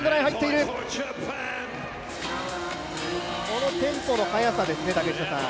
このテンポの速さですね、竹下さん。